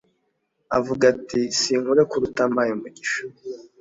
, avuga ati “Sinkurekura utampaye umugisha”